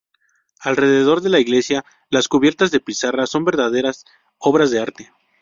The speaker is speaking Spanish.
Alrededor de la iglesia, las cubiertas de pizarra son verdaderas obras de arte.